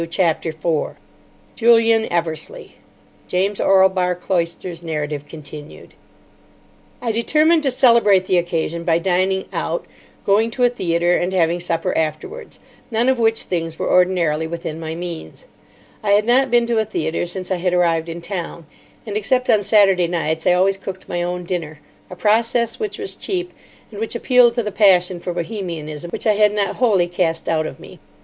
CHAPTER 4 JULIAN EVERSLEIGH (James Orlebar Cloyster's narrative continued) I determined to celebrate the occasion by dining out, going to a theatre, and having supper afterwards, none of which things were ordinarily within my means. I had not been to a theatre since I had arrived in town; and, except on Saturday nights, I always cooked my own dinner, a process which was cheap, and which appealed to the passion for Bohemianism which I had not wholly cast out of me.